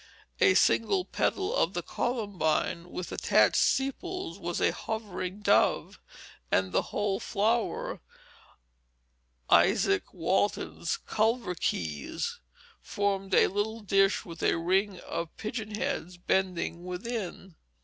A single petal of the columbine, with attached sepals, was a hovering dove, and the whole flower Izaak Walton's "culverkeys" formed a little dish with a ring of pigeon heads bending within.